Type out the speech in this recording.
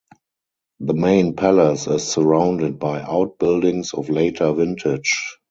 The main palace is surrounded by out buildings of later vintage.